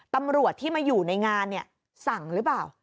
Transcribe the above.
ตำรวจที่มาอยู่ในงานสั่งรึเปล่า